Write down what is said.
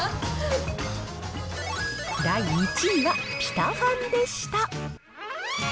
第１位は、ピタファンでした。